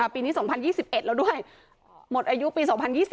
ปีนี้๒๐๒๑แล้วด้วยหมดอายุปี๒๐๒๐